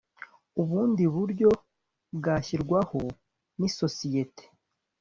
ubundi buryo bwashyirwaho n’isosiyete